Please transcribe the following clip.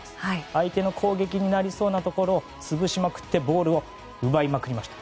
相手の攻撃になりそうなところを潰しまくってボールを奪いまくりました。